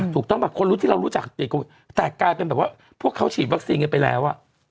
ถูกต้องแบบคนรู้ที่เรารู้จักติดโควิดแต่กลายเป็นแบบว่าพวกเขาฉีดวัคซีนกันไปแล้วอ่ะ